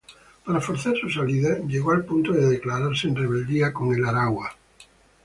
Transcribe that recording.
Para forzar su salida, llegó al punto de declararse en rebeldía con el Aragua.